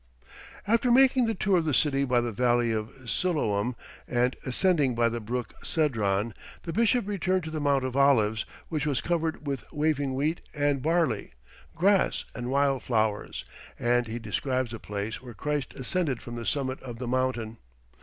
[Illustration: Absalom's Tomb.] After making the tour of the city by the Valley of Siloam, and ascending by the brook Cedron, the bishop returned to the Mount of Olives, which was covered with waving wheat and barley, grass and wild flowers, and he describes the place where Christ ascended from the summit of the mountain.